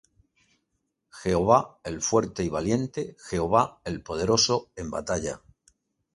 Jehová el fuerte y valiente, Jehová el poderoso en batalla.